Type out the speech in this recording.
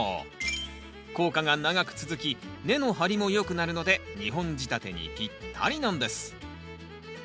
効果が長く続き根の張りもよくなるので２本仕立てにぴったりなんです。